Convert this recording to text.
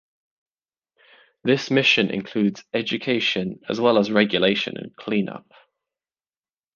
This mission includes education as well as regulation and cleanup.